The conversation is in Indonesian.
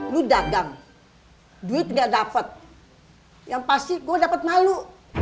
lu dagang duit gak dapet yang pasti gua dapet malu